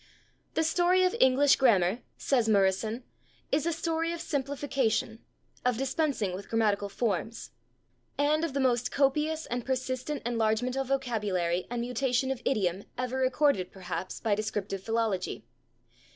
"The story of English grammar," says Murison, "is a story of simplification, of dispensing with grammatical forms." And of the most copious and persistent enlargement of vocabulary and mutation of idiom ever recorded, perhaps, by descriptive philology.